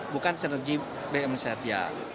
bukan sinergi bmsrj